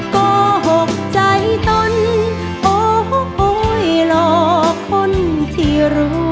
โกหกใจตนโอ้โหหลอกคนที่รู้